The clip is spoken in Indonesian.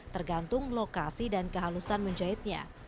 tergantung lokasi dan kehalusan menjahitnya